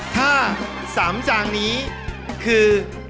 ถ้า๓จานนี้คือ